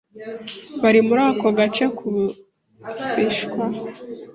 bari muri ako gace k'Ubusihnwa